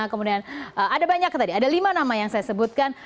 kemudian ada banyak tadi ada lima nama yang saya sebutkan